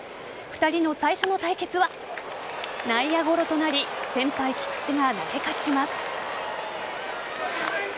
２人の最初の対決は内野ゴロとなり先輩・菊池が投げ勝ちます。